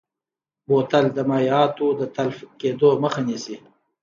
بوتل د مایعاتو د تلف کیدو مخه نیسي.